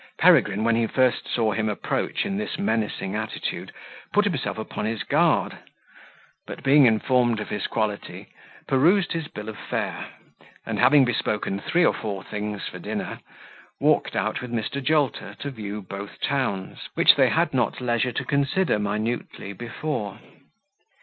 Peregrine, when he first saw him approach in this menacing attitude, put himself upon his guard; but being informed of his quality, perused his bill of fare, and having bespoken three or four things for dinner, walked out with Mr. Jolter to view both towns, which they had not leisure to consider minutely before.